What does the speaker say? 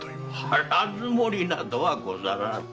腹積もりなどはござらぬ。